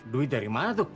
duit dari mana tuh